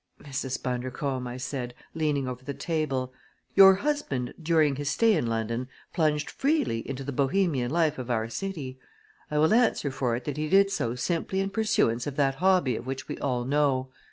"Mrs. Bundercombe," I said, leaning over the table, "your husband during his stay in London plunged freely into the Bohemian life of our city. I will answer for it that he did so simply in pursuance of that hobby of which we all know.